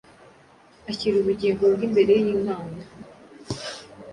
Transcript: Ashyira ubugingo bwe imbere y’Imana,